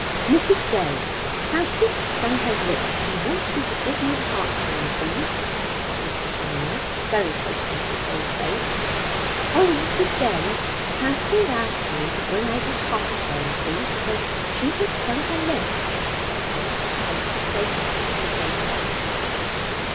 "Mrs. Day, Fancy has stung her lip, and wants you to give me the hartshorn, please," said Mr. Shiner, very close to Mrs. Day's face. "O, Mrs. Day, Fancy has asked me to bring out the hartshorn, please, because she has stung her lip!" said Dick, a little closer to Mrs. Day's face.